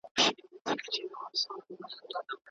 د ارغنداب سیند د چاپېریالي توازن نښه ده.